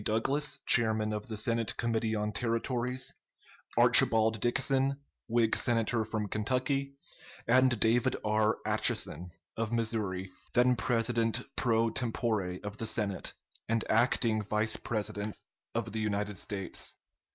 Douglas, chairman of the Senate Committee on Territories; Archibald Dixon, Whig Senator from Kentucky; and David R. Atchison, of Missouri, then president pro tempore of the Senate, and acting Vice President of the United States.